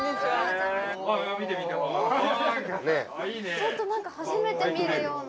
ちょっと何か初めて見るような。